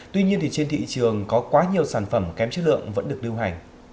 tuy nhiên thì trên thị trường có quá nhiều sản phẩm kém chất lượng vẫn được lưu hành